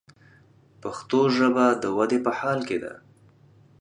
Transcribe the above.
پښتو ژبه د ودې په حال کښې ده.